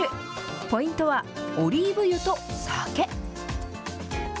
ポイントは、オリーブ油と酒。